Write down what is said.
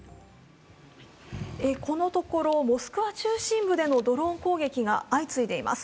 このところ、モスクワ中心部でのドローン攻撃が相次いでいます。